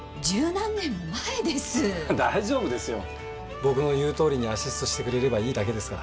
僕の言うとおりにアシストしてくれればいいだけですから。